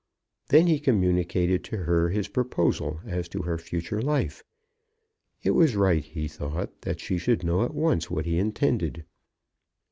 Then he communicated to her his proposal as to her future life. It was right, he thought, that she should know at once what he intended.